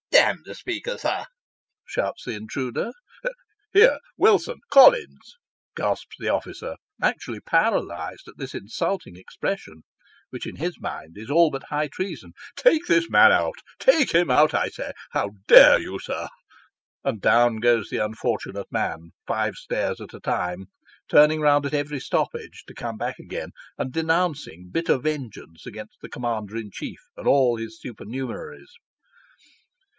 " D n the Speaker, sir !" shouts the intruder. " Here, Wilson ! Collins !" gasps the officer, actually paralysed at this insulting expression, which in his mind is all but high treason ;" take this man out take him out, I say ! How dare you, sir ?" and down goes the unfortunate man five stairs at a time, turning round at every stoppage, to come back again, and denouncing bitter vengeance against the commander in chief, and all his supernumeraries.